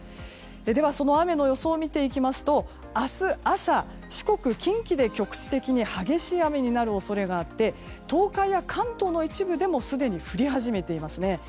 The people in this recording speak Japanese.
その雨の予想を見ていきますと明日朝、四国や近畿で局地的に激しい雨になる恐れがあって東海や関東の一部でもすでに降り始めていますね。